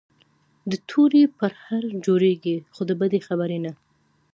متل دی: د تورې پرهر جوړېږي، خو د بدې خبرې نه.